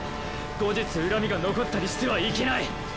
後日恨みが残ったりしてはいけない。